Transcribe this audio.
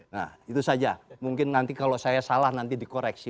nah itu saja mungkin nanti kalau saya salah nanti dikoreksi